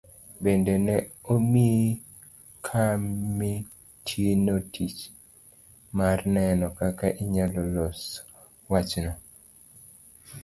Bende ne omi komitino tich mar neno kaka inyalo los wachno?